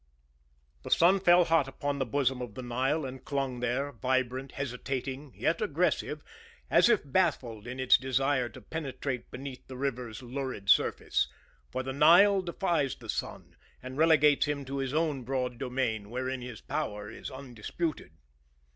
The sun fell hot upon the bosom of the Nile and clung there, vibrant, hesitating, yet aggressive, as if baffled in its desire to penetrate beneath the river's lurid surface. For the Nile defies the sun, and relegates him to his own broad domain, wherein his power is undisputed.